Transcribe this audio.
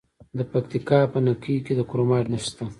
د پکتیکا په نکې کې د کرومایټ نښې شته.